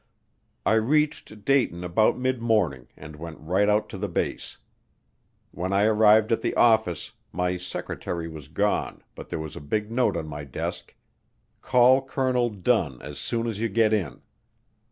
I reached Dayton about midmorning and went right out to the base. When I arrived at the office, my secretary was gone but there was a big note on my desk: "Call Colonel Dunn as soon as you get in."